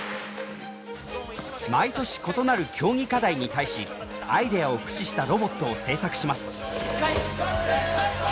毎年異なる競技課題に対しアイデアを駆使したロボットを製作します。